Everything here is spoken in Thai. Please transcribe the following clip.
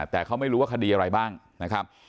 แต่เขาไม่รู้ว่าคดีอะไรบ้างนะครับ